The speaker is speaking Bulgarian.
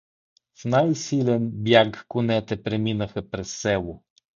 В най-силен бяг конете преминаха през село.